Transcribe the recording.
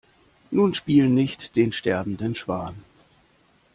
Nun spiel nicht den sterbenden Schwan.